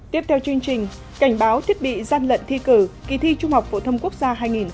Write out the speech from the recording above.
tiếp theo chương trình cảnh báo thiết bị gian lận thi cử kỳ thi trung học phổ thông quốc gia hai nghìn một mươi tám